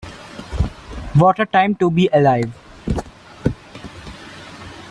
What a time to be alive.